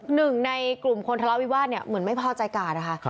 หนึ่งในกลุ่มคนทะเลาวิวาสเนี่ยเหมือนไม่พอใจกาดนะคะ